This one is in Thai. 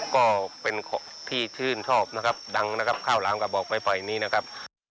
ก็เป็นของที่ชื่นชอบนะครับดังนะครับข้าวหลามกระบอกไม้ไฟนี้นะครับ